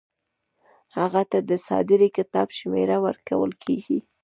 هغه ته د صادرې کتاب شمیره ورکول کیږي.